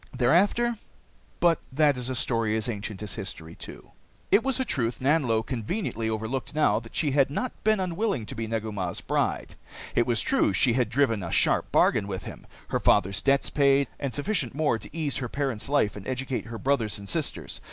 Thereafter But that is a story as ancient as history too. It was a truth Nanlo conveniently overlooked now that she had not been unwilling to be Negu Mah's bride. It was true she had driven a sharp bargain with him her father's debts paid, and sufficient more to ease her parents' life and educate her brothers and sisters.